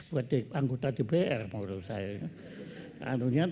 buat anggota dpr menurut saya